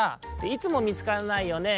「いつもみつかんないよね」。